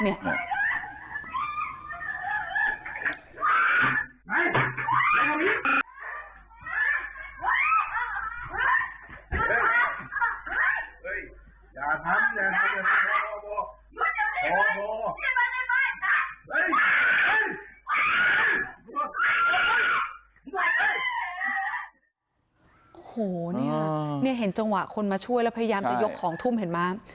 โอ้โหเนี่ยเห็นจังหวะคนมาช่วยแล้วพยายามจะยกของทุ่มเห็นไหม